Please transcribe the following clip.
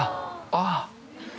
ああ